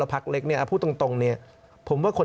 พักเล็กพูดตรงครึ่ง